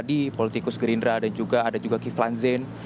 tadi politikus gerindra dan juga ada juga kiflan zen